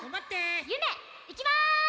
ゆめいきます！